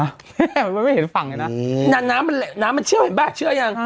แม่มันไม่เห็นฝั่งเลยนะน้ำมันเชื่อเห็นแบบเชื่อยัง